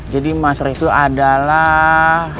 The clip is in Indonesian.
jadi mas riktu adalah